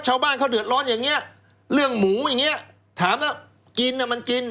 ชาวบ้านเขาเดือดร้อนอย่างเงี้ยเรื่องหมูอย่างนี้ถามแล้วกินน่ะมันกิน